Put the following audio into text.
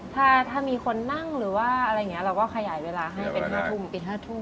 ถ้ามีคนนั่งหรือว่าอะไรอย่างนี้เราก็ขยายเวลาให้เป็น๕ทุ่มปิด๕ทุ่ม